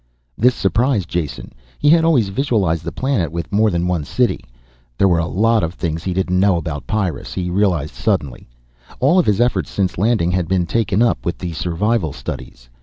This surprised Jason. He had always visualized the planet with more than one city. There were a lot of things he didn't know about Pyrrus, he realized suddenly. All of his efforts since landing had been taken up with the survival studies.